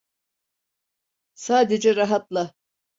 Sadece rahatla.